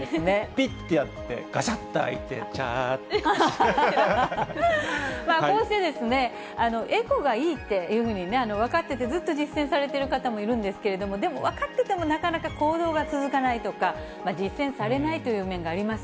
ぴってやって、がしゃっと開こうして、エコがいいっていうふうに分かってて、ずっと実践されている方もいるんですけれども、でも分かっててもなかなか行動が続かないとか、実践されないという面があります。